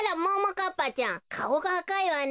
かっぱちゃんかおがあかいわね。